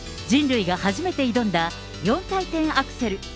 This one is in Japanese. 人類が初めて挑んだ４回転アクセル。